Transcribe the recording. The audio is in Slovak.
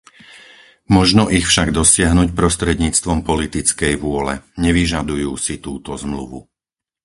Možno ich však dosiahnuť prostredníctvom politickej vôle. Nevyžadujú si túto Zmluvu.